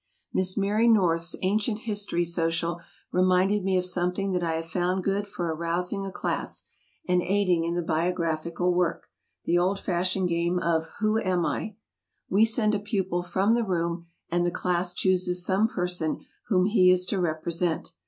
Miss Mary North's Ancient History Social reminded me of something that I have found good for arousing a class, and aiding in the biographical work, the old fashioned game of "Who Am I?" We send a pupil from the room, and the class chooses some person whom he is to represent.